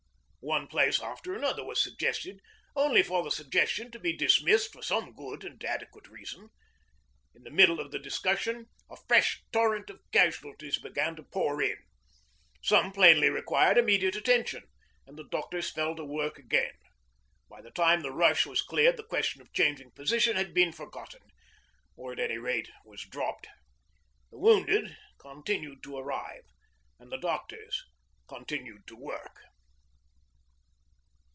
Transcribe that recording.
One place after another was suggested, only for the suggestion to be dismissed for some good and adequate reason. In the middle of the discussion a fresh torrent of casualties began to pour in. Some plainly required immediate attention, and the doctors fell to work again. By the time the rush was cleared the question of changing position had been forgotten, or, at any rate, was dropped. The wounded continued to arrive, and the doctors continued to work.